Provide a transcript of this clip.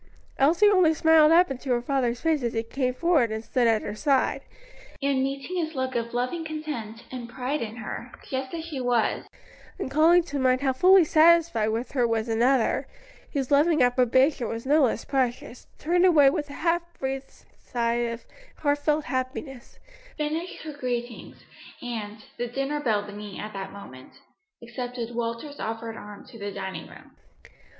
Elsie only smiled up into her father's face as he came forward and stood at her side, and meeting his look of loving content and pride in her, just as she was, and calling to mind how fully satisfied with her was another, whose loving approbation was no less precious, turned away with a half breathed sigh of heartfelt happiness, finished her greetings, and, the dinner bell ringing at that moment, accepted Walter's offered arm to the dining room.